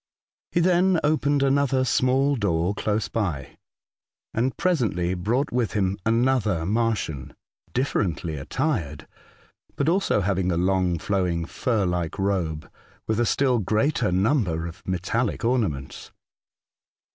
He then opened another small door close by, and presently brought with him another Martian, differently attired, but also having a long flowing fur like robe, with a still greater number of metallic orna ments.